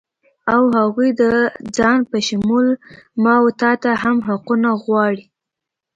او هغوی د ځان په شمول ما و تاته هم حقونه غواړي